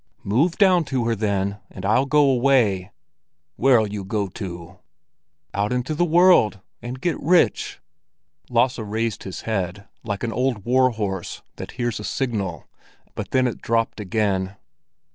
"Move down to her, then, and I'll go away!" "Where'll you go to?" "Out into the world and get rich!" Lasse raised his head, like an old war horse that hears a signal; but then it dropped again.